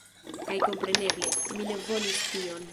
Kaj kompreneble, mi ne volis tion.